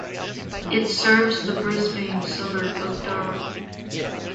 It serves the Brisbane suburb of Darra.